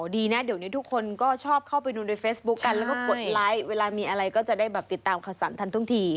ดีนะเดี๋ยวนี้ทุกคนก็ชอบเข้าไปดูในเฟซบุ๊คกันแล้วก็กดไลค์เวลามีอะไรก็จะได้แบบติดตามคัดสรรทันทุกที